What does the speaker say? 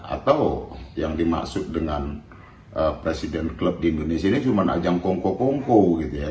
atau yang dimaksud dengan presiden klub di indonesia ini cuma ajang kongko kongko gitu ya